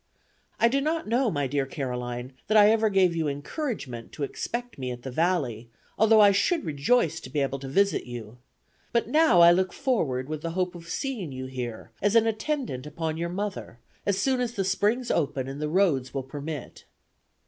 I do not know, my dear Caroline, that I ever gave you encouragement to expect me at the valley, although I should rejoice to be able to visit you but I now look forward with the hope of seeing you here as an attendant upon your mother as soon as the spring opens and the roads will permit.